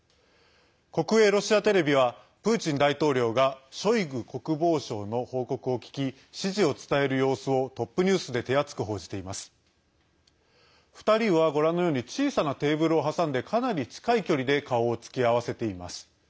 国営ロシアテレビはプーチン大統領がショイグ国防相の報告を聞き指示を伝える様子を２人は、ご覧のように小さなテーブルを挟んでかなり近い距離で顔をつき合わせています。